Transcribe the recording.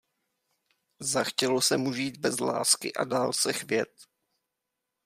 Zachtělo se mu žít bez lásky a dál se chvět.